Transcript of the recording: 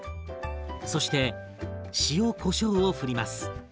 そして塩・こしょうをふります。